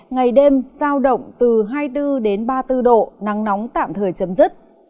ngày đêm giao động từ hai mươi bốn đến ba mươi bốn độ nắng nóng tạm thời chấm dứt